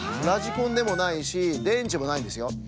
ラジコンでもないしでんちもないんですよ。